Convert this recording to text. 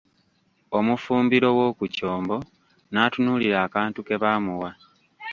Omufumbiro w'oku kyombo n'atunuulira akantu ke baamuwa.